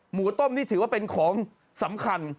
หมูต้มนี่ถือว่าเป็นของสำคัญ